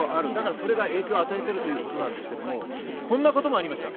それが影響を与えているということですけど、こんなこともありました。